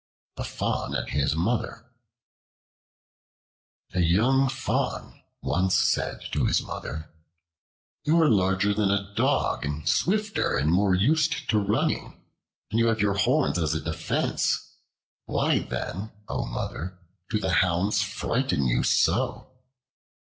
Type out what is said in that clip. The Fawn and His Mother A YOUNG FAWN once said to his Mother, "You are larger than a dog, and swifter, and more used to running, and you have your horns as a defense; why, then, O Mother! do the hounds frighten you so?"